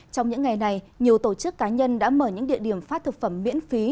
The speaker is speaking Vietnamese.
trong những ngày này nhiều tổ chức cá nhân đã mở những địa điểm phát thực phẩm miễn phí